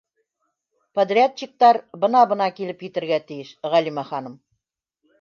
Подрядчиктар бына-бына килеп етергә тейеш, Ғәлимә ханым.